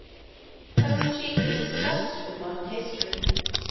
I was chiefly disgusted with modern history.